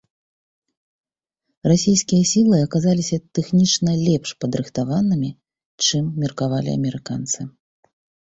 Расійскія сілы аказаліся тэхнічна лепш падрыхтаванымі, чым меркавалі амерыканцы.